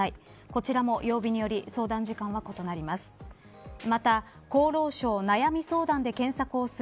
こちらも曜日により相談時間は異なります。